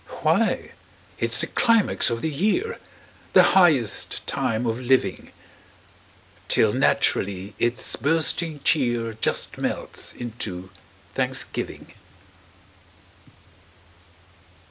Why, it's the climax of the year, The highest time of living! Till naturally its bursting cheer Just melts into Thanksgiving.